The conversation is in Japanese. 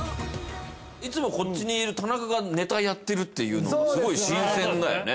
いつもこっちにいる田中がネタやってるっていうのすごい新鮮だよね。